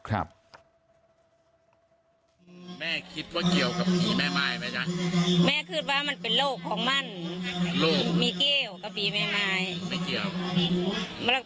แล้วเรามีความเชื่อเรื่องผีแม่ไม้ไหมละ